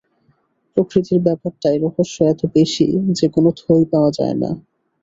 প্রকৃতির ব্যাপারটায় রহস্য এত বেশি যে, কোনো থই পাওয়া যায় না।